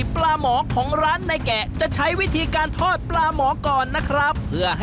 ปลาหมอซูชิครับ